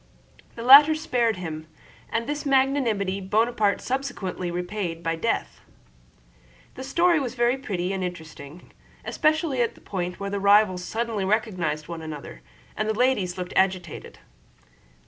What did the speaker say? The latter spared him, and this magnanimity Bonaparte subsequently repaid by death. The story was very pretty and interesting, especially at the point where the rivals suddenly recognized one another; and the ladies looked agitated.